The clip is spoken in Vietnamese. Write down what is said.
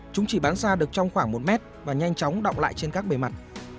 chúng chỉ bắn xa được trong khoảng một mét và nhanh chóng động lại trên các bề mặt